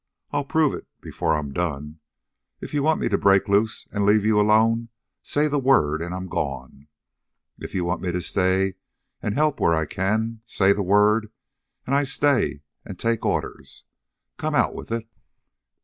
I'll prove it before I'm done. If you want me to break loose and leave you alone, say the word, and I'm gone. If you want me to stay and help where I can help, say the word, and I stay and take orders. Come out with it!"